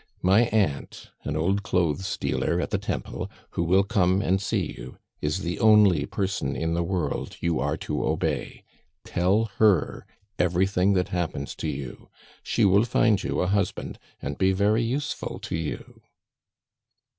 My aunt, an old clothes dealer at the Temple, who will come and see you, is the only person in the world you are to obey; tell her everything that happens to you; she will find you a husband, and be very useful to you."